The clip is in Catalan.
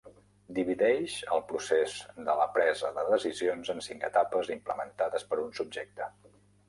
Divideix el procés de la presa de decisions en cinc etapes implementades per un subjecte.